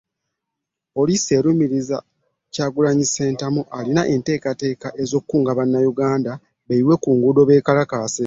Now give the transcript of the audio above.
Poliisi erumiriza nti Kyagulanyi Ssentamu alina entegeka z'okukunga Bannayuganda okweyiwa ku nguudo beekalakaase